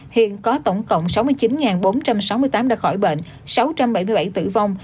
hiện có tổng cộng sáu mươi chín bốn trăm sáu mươi tám đã khỏi bệnh sáu trăm bảy mươi bảy tử vong